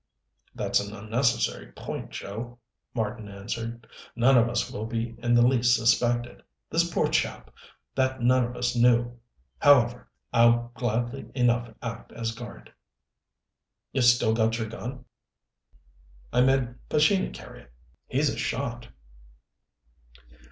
"That's an unnecessary point, Joe," Marten answered. "None of us will be in the least suspected. This poor chap that none of us knew. However, I'll gladly enough act as guard." "You've still got your gun?" "I made Pescini carry it. He's a shot."